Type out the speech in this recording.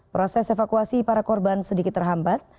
proses evakuasi para korban sedikit terhambat